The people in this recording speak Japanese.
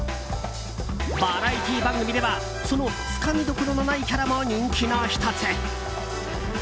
バラエティー番組ではそのつかみどころのないキャラも人気の１つ。